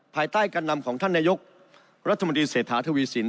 ภายใต้การนำของท่านนายกรัฐมนตรีเศรษฐาทวีสิน